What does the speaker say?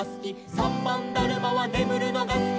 「さんばんだるまはねむるのがすき」